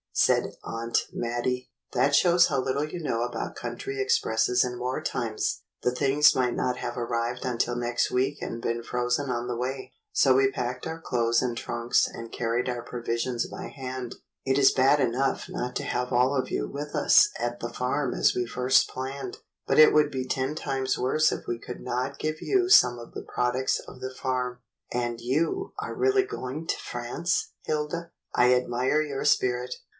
said Aunt Mattie. "That shows 138 THE BT.UE AUNT how little you know about country expresses in war times! The things might not have arrived until next week and been frozen on the way. So we packed our clothes in trunks and carried our provisions by hand. It is bad enough not to have all of you with us at the farm as we first planned, but it would be ten times worse if we could not give you some of the products of the farm. And you are really going to France, Hilda. ^ I admire your spirit.